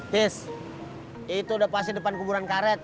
his itu udah pasti depan kuburan karet